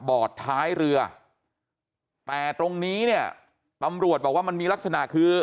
บอร์ดท้ายเรือแต่ตรงนี้เนี่ยตำรวจบอกว่ามันมีลักษณะคือ